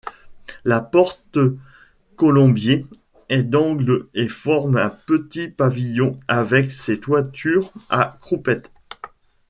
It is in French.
La porte-colombier est d'angle et forme un petit pavillon avec ses toitures à croupettes.